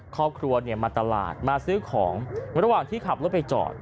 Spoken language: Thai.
ครอบครัวมาตลาดมาซื้อของระหว่างที่ขับรถไปจอด